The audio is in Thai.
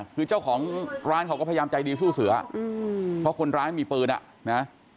คือเจ้าของร้านเขาก็พยายามใจดีสู้เสือเพราะคนร้ายมีปืนอ่ะนะ